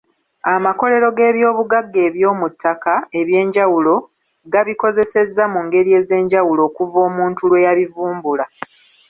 Amakolero g'ebyobugagga eby'omu ttaka eby'enjawulo gabikozesezza mu ngeri ez'enjawulo okuva omuntu lwe yabivumbula